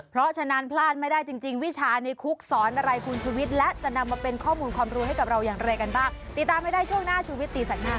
เพราะฉะนั้นพลาดไม่ได้จริงจริงวิชาในคุกสอนอะไรคุณชุวิตและจะนำมาเป็นข้อมูลความรู้ให้กับเราอย่างไรกันบ้างติดตามให้ได้ช่วงหน้าชูวิตตีแสกหน้า